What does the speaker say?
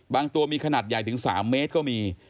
ตัวมีขนาดใหญ่ถึง๓เมตรก็มี